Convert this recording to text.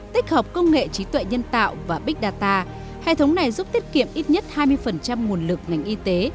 tích hợp công nghệ trí tuệ nhân tạo và big data hệ thống này giúp tiết kiệm ít nhất hai mươi nguồn lực ngành y tế